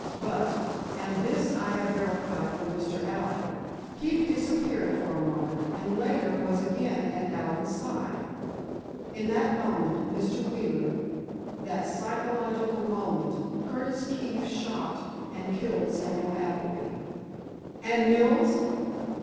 But—and this I have verified from Mr. Allen, Keefe disappeared for a moment, and, later was again at Allen's side. In that moment—Mr. Wheeler, that psychological moment, Curtis Keefe shot and killed Samuel Appleby." "And Mills?"